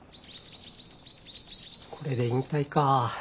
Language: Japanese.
これで引退か。